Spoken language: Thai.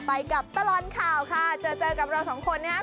ไปกับตลอดข่าวค่ะเจอเจอกับเราสองคนนะครับ